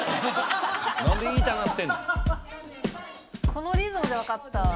このリズムでわかった。